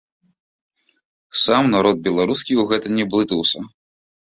Сам народ беларускі ў гэта не блытаўся.